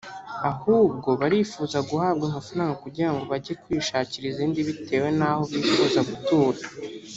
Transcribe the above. ahubwo barifuza guhabwa amafaranga kugira ngo bajye kwishakira izindi bitewe n’aho bifuza gutura